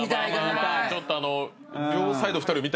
ちょっと。